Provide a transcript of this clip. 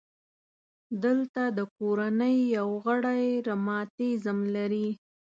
دلته د کورنۍ یو غړی رماتیزم لري.